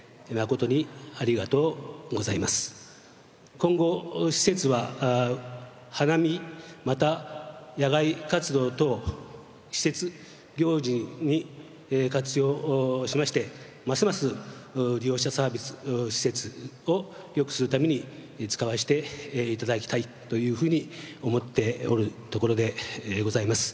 今後施設は花見また野外活動等施設行事に活用しましてますます利用者サービス施設をよくするために使わせて頂きたいというふうに思っておるところでございます。